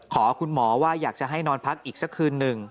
ขอคุณหมอว่าอยากจะให้นอนพักอีกสักคืนหนึ่ง